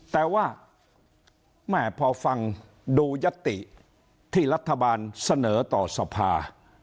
แต่ว่าแม่พอฟังดูยัตติที่รัฐบาลเสนอต่อสภา